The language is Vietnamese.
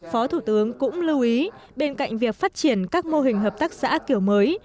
phó thủ tướng cũng lưu ý bên cạnh việc phát triển các mô hình hợp tác xã kiểu mới